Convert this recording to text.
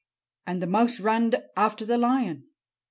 And the mouse runned after the lion.